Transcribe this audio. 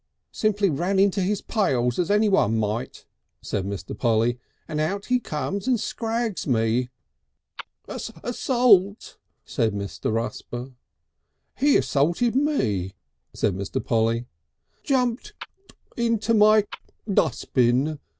"Simply ran into his pails as anyone might," said Mr. Polly, "and out he comes and scrags me!" "(Kik) Assault!" said Mr. Rusper. "He assaulted me," said Mr. Polly. "Jumped (kik) into my dus'bin!"